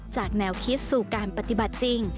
แนวคิดสู่การปฏิบัติจริง